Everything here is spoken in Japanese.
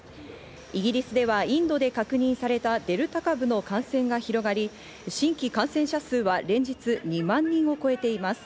イギリスではインドで確認されたデルタ株の感染が広がり、新規感染者数は連日２万人を超えています。